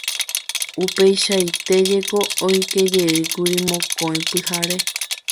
Upeichaite jeko oikojeýkuri mokõi pyhare.